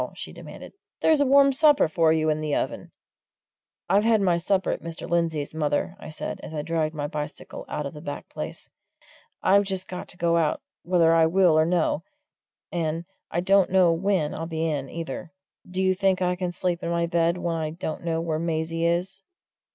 she demanded. "There's a warm supper for you in the oven!" "I've had my supper at Mr. Lindsey's, mother," I said, as I dragged my bicycle out of the back place. "I've just got to go out, whether I will or no, and I don't know when I'll be in, either do you think I can sleep in my bed when I don't know where Maisie is?"